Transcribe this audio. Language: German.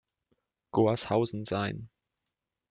Goarshausen sein.